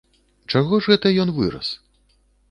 Чаго ж гэта ён вырас?